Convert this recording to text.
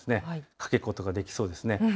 かけっことかできそうですね。